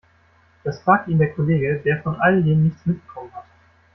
Das fragt ihn der Kollege, der von all dem nichts mitbekommen hat.